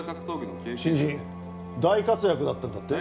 新人大活躍だったんだって？